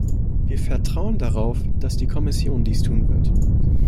Wir vertrauen darauf, dass die Kommission dies tun wird.